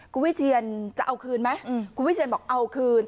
คุณวิเชียนจะเอาคืนไหมคุณวิเชียนบอกเอาคืน